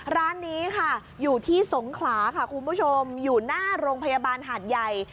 ร้านนี้ค่ะอยู่ที่สงขลาค่ะคุณผู้ชมอยู่หน้าโรงพยาบาลหาดใหญ่